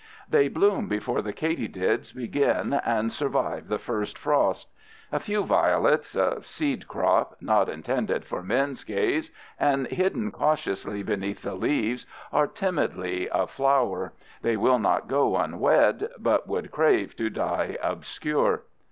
They bloom before the katydids begin and survive the first frost. A few violets—a seed crop, not intended for men's gaze, and hidden cautiously beneath the leaves, are timidly aflower. They will not go unwed, but would crave to die obscure.